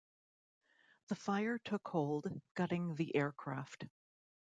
The fire took hold, gutting the aircraft.